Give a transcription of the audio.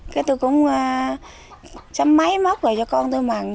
cái tôi cũng sắm máy móc rồi cho con tôi mặn